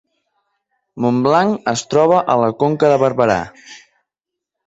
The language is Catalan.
Montblanc es troba a la Conca de Barberà